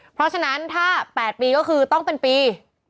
เพราะฉะนั้นถ้า๘ปีก็คือต้องเป็นปี